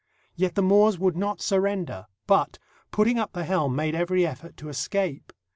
Yet the Moors would not surrender, but, putting up the helm, made every effort to escape.